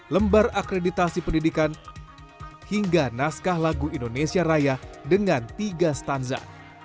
lembar akreditasi pendidikan hingga naskah lagu indonesia raya dengan tiga stanza